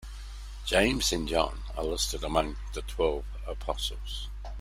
James and John are listed among the Twelve Apostles.